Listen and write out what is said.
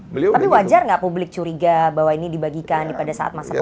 tapi wajar nggak publik curiga bahwa ini dibagikan pada saat masa kampanye